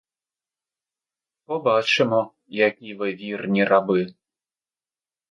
Побачимо, які ви вірні раби!